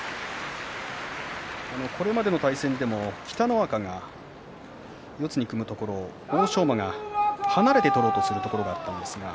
これまでの対戦でも北の若が四つに組むところ、欧勝馬が離れて取ろうとすることがありました。